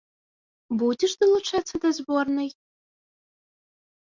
Будзеш далучацца да зборнай?